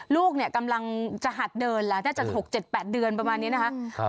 ลูกเนี่ยกำลังจะหัดเดินแล้วน่าจะ๖๗๘เดือนประมาณนี้นะคะ